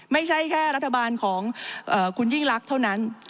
ไม่ใช่แค่รัฐบาลของคุณยิ่งรักเท่านั้น